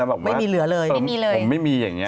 ทำแบบว่าเสียงผมไม่มีอย่างนี้